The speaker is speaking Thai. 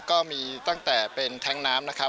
ก็มีตั้งแต่เป็นแท้งน้ำนะครับ